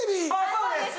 そうです！